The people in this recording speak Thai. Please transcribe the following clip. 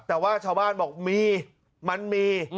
แต่ว่าชาวบ้านบอกมีมันมี